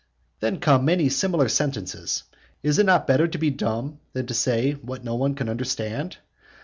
Then came many similar sentences. Is it not better to be dumb, than to say what no one can understand?